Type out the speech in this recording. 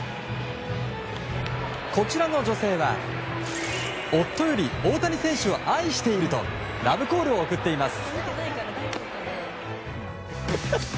こちらの女性は夫より大谷選手を愛しているとラブコールを送っています。